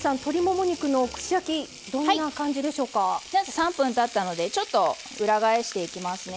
３分たったのでちょっと裏返していきますね。